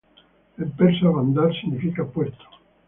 En persa, "bandar" significa ‘puerto’.